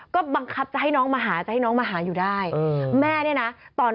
ก็บังคับจะให้น้องมาหาจะให้น้องมาหาอยู่ด้าย